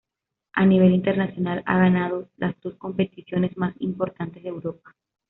A nivel internacional, han ganado las dos competiciones más importantes de Europa.